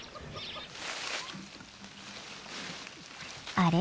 あれ？